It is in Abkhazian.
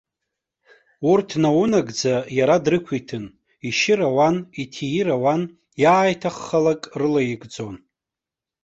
Урҭ наунагӡа иара дрықәиҭын, ишьыр ауан, иҭир ауан, иааиҭаххалак рылаигӡон.